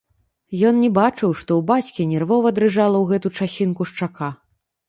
Ён не бачыў, што ў бацькі нервова дрыжала ў гэту часінку шчака.